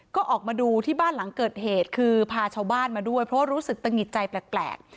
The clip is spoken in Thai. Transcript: ก็ออกมาดูที่บ้านหลังเกิดเหตุคือพาชาวบ้านมาด้วยเพราะว่ารู้สึกตะหิดใจแปลก